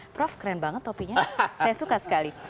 prof keren banget topinya saya suka sekali